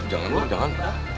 jangan dong jangan